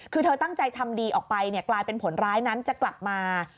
คือเธอตั้งใจทำดีออกไปกลายเป็นผลร้ายนั้นจะกลับมา